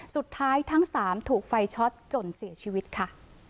สุดท้ายทั้งสามถูกไฟช็อตจนเสียชีวิตค่ะ